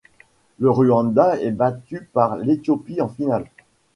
Le Rwanda est battu par l'Éthiopie en finale.